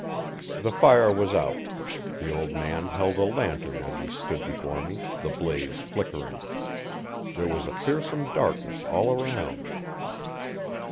The fire was out. The old man held a lantern as he stood before me, the blaze flickering. There was a fearsome darkness all around.